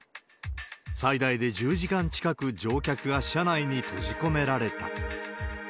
最大で１０時間近く乗客が車内に閉じ込められた。